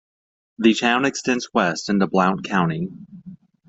The town extends west into Blount County.